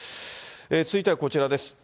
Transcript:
続いてはこちらです。